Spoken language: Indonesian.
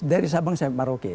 dari sabang sampai maroke